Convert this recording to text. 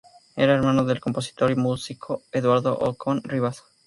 Era hermano del compositor y músico Eduardo Ocón y Rivas.